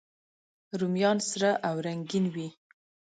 رومیان سره او رنګین وي